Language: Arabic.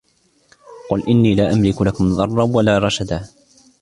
قُلْ إِنِّي لَا أَمْلِكُ لَكُمْ ضَرًّا وَلَا رَشَدًا